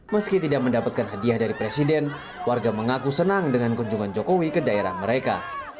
meski tidak mendapatkan hadiah dari presiden warga mengaku senang dengan kunjungan jokowi ke daerah mereka